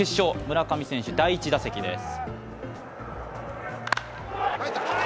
村上選手、第１打席です。